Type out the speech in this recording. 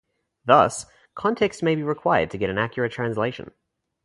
Thus, context may be required to get an accurate translation.